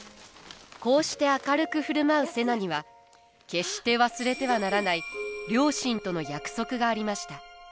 こうして明るく振る舞う瀬名には決して忘れてはならない両親との約束がありました。